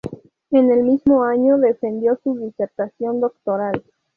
En el mismo año defendió su disertación doctoral.